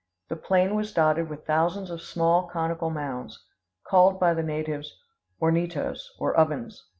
The plain was dotted with thousands of small conical mounds, called by the natives hornitos, or ovens.